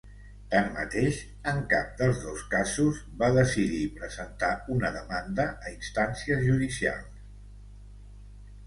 Tanmateix, en cap dels dos casos, va decidir presentar una demanda a instàncies judicials.